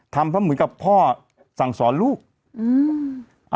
ทำเพราะเหมือนกับพ่อสั่งสอนลูกอืม